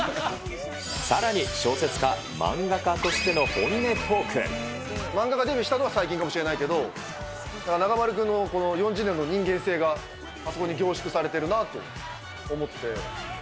さらに小説家、漫画家デビューしたのは、最近かもしれないけど、中丸君の４０年の人間性があそこに凝縮されているなと思って。